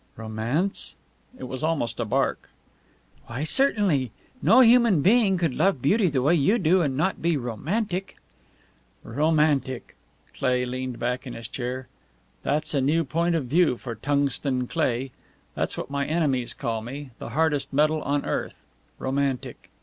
"Romance?" It was almost a bark. "Why, certainly. No human being could love beauty the way you do and not be romantic." "Romantic!" Cleigh leaned back in his chair. "That's a new point of view for Tungsten Cleigh. That's what my enemies call me the hardest metal on earth. Romantic!"